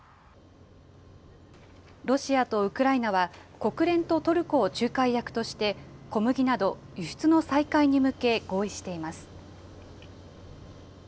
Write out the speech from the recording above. ロシアとウクライナは、国連とトルコを仲介役として、小麦など輸出の再開に向け、合意しています。